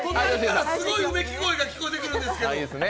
すごいうめき声が聞こえてくるんですけど。